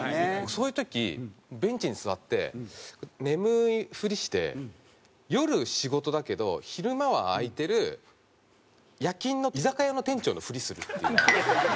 そういう時ベンチに座って眠いふりして夜仕事だけど昼間は空いてる夜勤の居酒屋の店長のふりするっていう。